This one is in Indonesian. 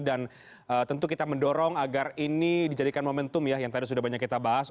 dan tentu kita mendorong agar ini dijadikan momentum ya yang tadi sudah banyak kita bahas